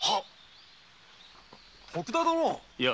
徳田殿？